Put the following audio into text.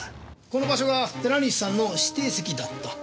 この場所が寺西さんの指定席だった？